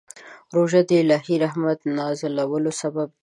روژه د الهي رحمت نازلولو سبب دی.